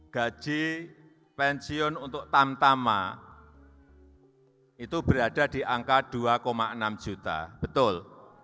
gaji pensiun untuk tamtama itu berada di angka dua enam juta betul